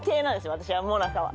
私はもなかは。